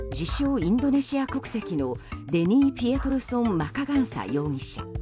インドネシア国籍のデニー・ピエトルソン・マカガンサ容疑者。